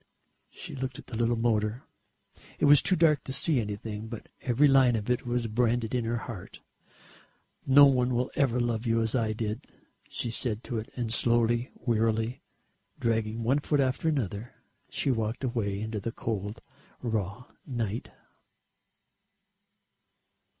She looked at the little motor. It was too dark to see anything, but every line of it was branded on her heart. "No one will ever love you as I did," she said to it and slowly, wearily, dragging one foot after another, she walked away into the cold raw night.